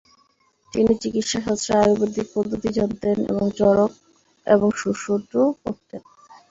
তিনি চিকিৎসাশাস্ত্রে আয়ুর্বেদিক পদ্ধতি জানতেন এবং চড়ক এবং সুশ্রুত পড়তেন।